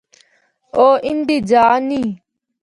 او اِن دی جآ نیں ۔